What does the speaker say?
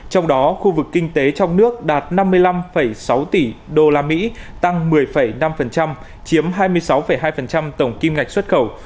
trong đó khu vực kinh tế trong nước đạt năm mươi năm sáu tỷ usd tăng một mươi năm chiếm hai mươi sáu hai tổng kim ngạch xuất khẩu